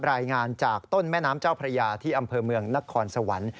รายงานจากต้นแม่น้ำเจ้าพระยาที่อำเภอเมืองนครสวรรค์